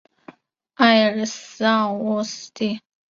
埃尔斯沃思地。